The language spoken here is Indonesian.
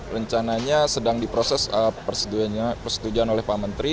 rencananya sedang diproses persetujuan oleh pak menteri